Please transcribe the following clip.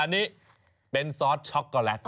อันนี้เป็นซอสช็อกโกแลต